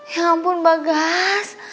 ya ampun bagas